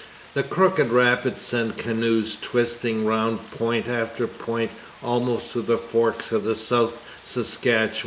The Crooked Rapids send canoes twisting round point after point almost to the forks of the South Saskatchewan.